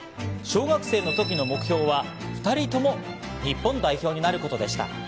小学生の時の目標は、２人とも日本代表になることでした。